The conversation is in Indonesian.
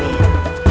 baik pak man